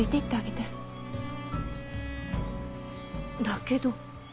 だけど。